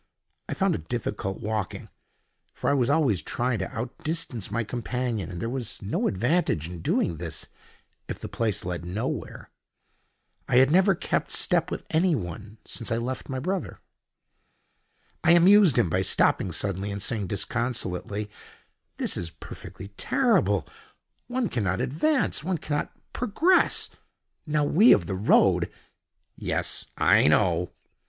I found it difficult walking, for I was always trying to out distance my companion, and there was no advantage in doing this if the place led nowhere. I had never kept step with anyone since I left my brother. I amused him by stopping suddenly and saying disconsolately, "This is perfectly terrible. One cannot advance: one cannot progress. Now we of the road——" "Yes. I know."